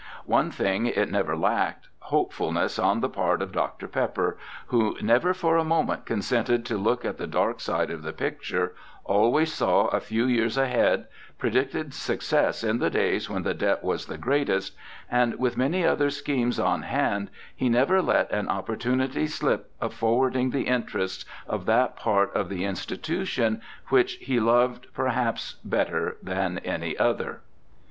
One thing it never lacked, hopefulness on the part of Dr. Pepper, who never for a moment consented to look at the dark side of the picture, always saw a few years ahead, predicted success in the days when the debt was the greatest ; and with many other schemes on hand he never let an opportunity slip of forwarding the interests of that part of the institution which he loved, perhaps, better than any other.